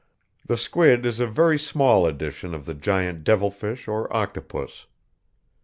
The squid is a very small edition of the giant devilfish or octopus.